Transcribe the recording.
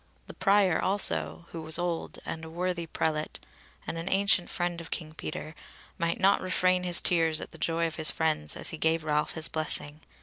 The Prior also, who was old, and a worthy prelate, and an ancient friend of King Peter, might not refrain his tears at the joy of his friends as he gave Ralph his blessing.